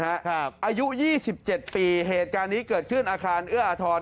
อายุ๒๗ปีเหตุการณ์นี้เกิดขึ้นอาคารเอื้ออาทร